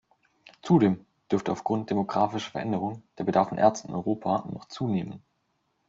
Zudem dürfte aufgrund demografischer Veränderungen der Bedarf an Ärzten in Europa noch zunehmen.